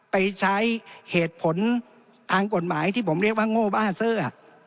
ไปใช้เหตุผลทางกฎหมายที่ผมเรียกว่าโง่บ้าเสื้อ